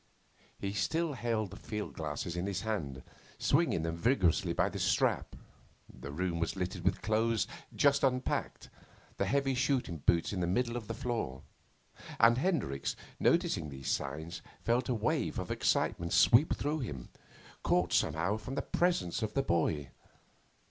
He still held the field glasses in his hand, swinging them vigorously by the strap. The room was littered with clothes, just unpacked, the heavy shooting boots in the middle of the floor; and Hendricks, noticing these signs, felt a wave of excitement sweep through him, caught somehow from the presence of the boy.